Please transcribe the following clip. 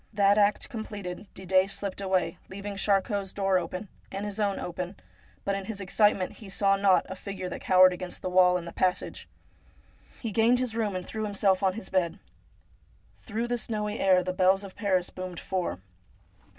That act com pleted, Didet slipped away, leaving Charcot's door open, and his own open ; but in his excitement he saw not a figure that cowered against the wall in the passage. He gained his room, and threw himself on his bed. Through the snowy air the bells of Paris boomed four.